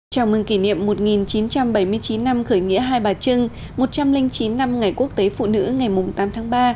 chào mừng kỷ niệm một nghìn chín trăm bảy mươi chín năm khởi nghĩa hai bà trưng một trăm linh chín năm ngày quốc tế phụ nữ ngày tám tháng ba